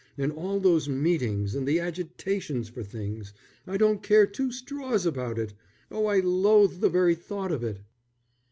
And all those meetings, and the agitations for things I don't care two straws about! Oh, I loathe the very thought of it."